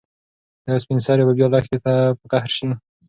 ایا سپین سرې به بیا لښتې ته په قهر شي؟